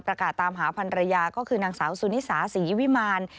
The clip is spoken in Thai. ตามหาพันรยาก็คือนางสาวสุนิสาศรีวิมาร